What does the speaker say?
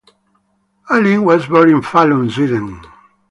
Alin was born in Falun, Sweden.